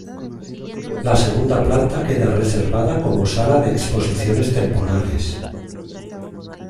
La segunda planta queda reservada como sala de exposiciones temporales.